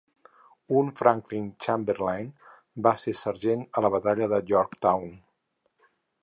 Un, Franklin Chamberlain, va ser sergent a la batalla de Yorktown.